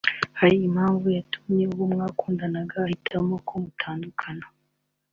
Hari impamvu yatumye uwo mwakundanaga ahitamo ko mutandukana